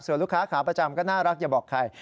ส่วนลูกค้าขาประจำก็น่ารักอย่าบอกใคร